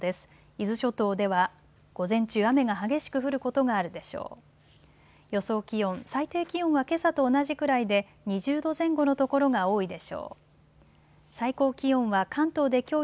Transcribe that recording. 伊豆諸島では午前中、雨が激しく降ることがあるでしょう。